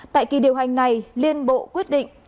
tại kỳ điều hành này liên bộ quyết định